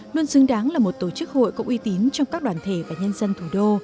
luôn xứng đáng là một tổ chức hội cộng uy tín trong các đoàn thể và nhân dân thủ đô